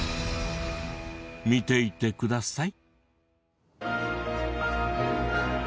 見ていてください。